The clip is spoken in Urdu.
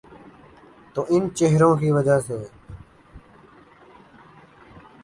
تو ان چہروں کی وجہ سے۔